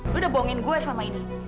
lu udah bohongin gue selama ini